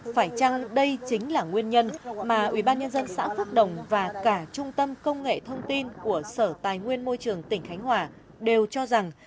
phải chăng đây chính là nguyên nhân mà ubnd xã phước đồng và cả trung tâm công nghệ thông tin của sở tài nguyên môi trường tỉnh khánh hòa đều cho rằng